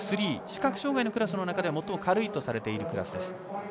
視覚障がいのクラスの中では最も軽いとされているクラスです。